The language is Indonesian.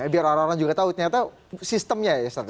biar orang orang juga tahu ternyata sistemnya ya